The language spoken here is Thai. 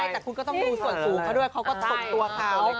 แต่คุณก็ต้องดูส่วนสูงเขาด้วยเขาก็ส่งตัวเขา